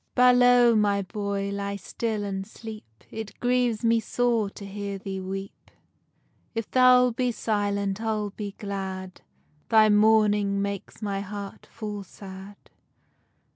BALOW, my boy, ly still and sleep, It grieves me sore to hear thee weep, If thou'lt be silent, I'll be glad, Thy mourning makes my heart full sad.